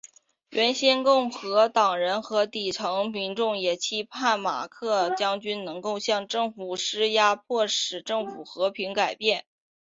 原先共和党人和底层民众也期盼拉马克将军能够向政府施压迫使政府和平转变。